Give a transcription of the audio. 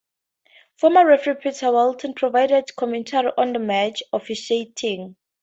Former referee Peter Walton provided commentary on the match officiating.